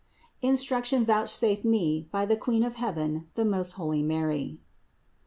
INSTRUCTION VOUCHSAFED ME BY THE QUEEN OF HEAVEN, THE MOST HOLY MARY. 331.